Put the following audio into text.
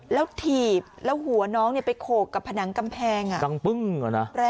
แล้วทีบแล้วหัวน้องไปโขกกับผนังกำแพงแรงนะคะ